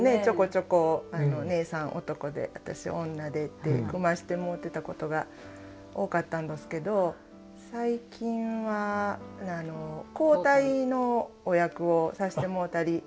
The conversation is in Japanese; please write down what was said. ちょこちょこ「ねえさん男で私女で」って組ましてもうてたことが多かったんどすけど最近は交代のお役をさしてもろたり。